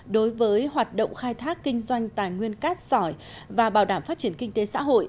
đối với hoạt động khai thác kinh doanh tài nguyên cát sỏi và bảo đảm phát triển kinh tế xã hội